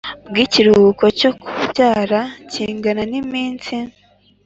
bw ikiruhuko cyo kubyara kingana n iminsi